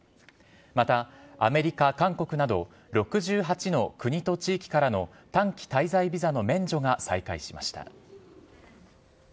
また、アメリカ、韓国など６８の国と地域からの短期滞在ビザの免除が再開しました。